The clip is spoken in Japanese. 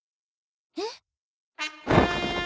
えっ？